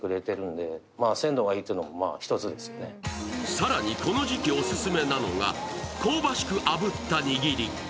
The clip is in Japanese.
さらにこの時期オススメなのが香ばしくあぶった握り。